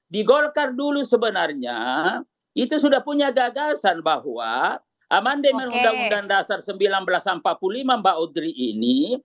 di golkar dulu sebenarnya itu sudah punya gagasan bahwa amandemen undang undang dasar seribu sembilan ratus empat puluh lima mbak udri ini